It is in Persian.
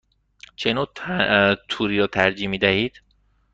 چه نوع توری را ترجیح می دهید؟